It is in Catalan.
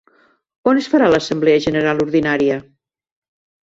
On es farà l'assemblea general ordinària?